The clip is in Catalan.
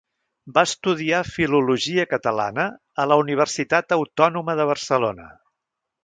Va estudiar Filologia Catalana a la Universitat Autònoma de Barcelona.